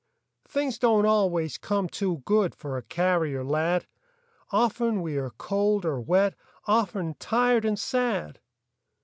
Things don't always come too good For a carrier lad. Often we are cold or wet, Often tired and sad.